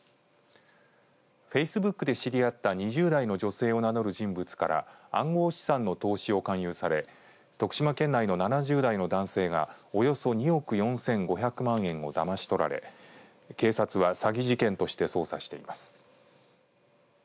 ＦａｃｅＢｏｏｋで知り合った２０代の女性を名乗る人物から暗号資産の投資を勧誘され徳島県内の７０代の男性がおよそ２億４５００万円をだまし取られ警察は詐欺事件として捜査しています。